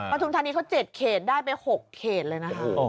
ทุมธานีเขา๗เขตได้ไป๖เขตเลยนะคะ